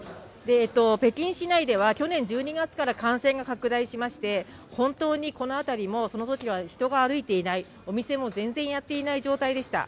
北京市内では去年１２月から感染が拡大しまして、本当にこの辺りもそのときは人が歩いていないお店も全然やっていない状態でした。